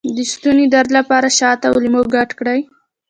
د ستوني درد لپاره شات او لیمو ګډ کړئ